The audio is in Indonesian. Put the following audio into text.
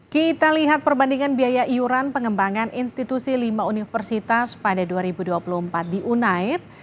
kita lihat perbandingan biaya iuran pengembangan institusi lima universitas pada dua ribu dua puluh empat di unair